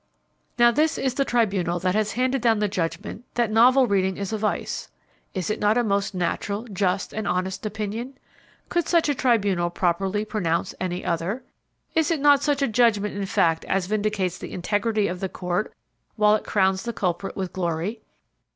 Now this is the tribunal that has handed down the judgment that novel reading is a vice. Is it not a most natural, just and honest opinion? Could such a tribunal properly pronounce any other? Is it not such a judgment in fact as vindicates the integrity of the court, while it crowns the culprit with glory?